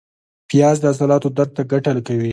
پیاز د عضلاتو درد ته ګټه کوي